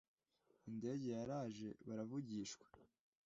Indege yaraje baravugishwa